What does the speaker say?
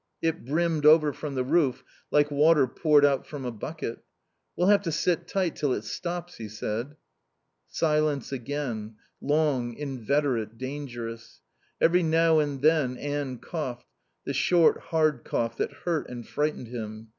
It brimmed over from the roof like water poured out from a bucket. "We'll have to sit tight till it stops," he said. Silence again, long, inveterate, dangerous. Every now and then Anne coughed, the short, hard cough that hurt and frightened him.